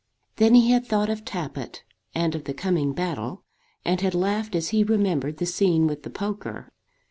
Then he had thought of Tappitt and of the coming battle, and had laughed as he remembered the scene with the poker.